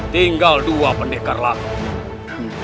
tinggal dua pendekar lalu